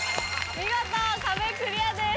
見事壁クリアです。